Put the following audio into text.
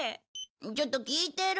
ちょっと聞いてる？